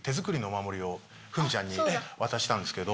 を史ちゃんに渡したんですけど。